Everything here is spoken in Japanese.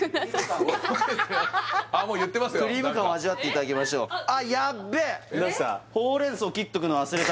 クリーム感を味わっていただきましょうどうした？